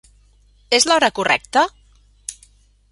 És l'hora correcta?